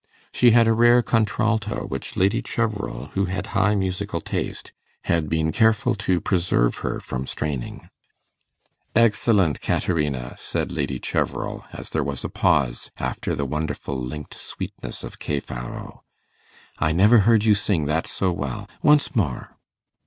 She had a rare contralto, which Lady Cheverel, who had high musical taste, had been careful to preserve her from straining. 'Excellent, Caterina,' said Lady Cheverel, as there was a pause after the wonderful linked sweetness of 'Che faro'. 'I never heard you sing that so well. Once more!